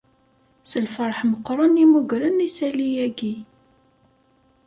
S lferḥ meqqren i mmuggren isalli-agi.